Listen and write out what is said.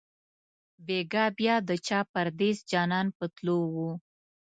بیګا بیا د چا پردېس جانان په تلو وو